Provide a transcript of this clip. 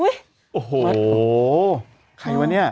โอ้โหใครวะเนี่ย